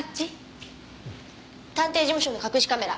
探偵事務所の隠しカメラ